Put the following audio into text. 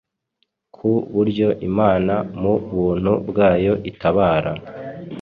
ku buryo Imana mu buntu bwayo itabara